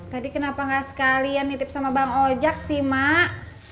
tadi kenapa nggak sekalian nitip sama bang ojak sih mbak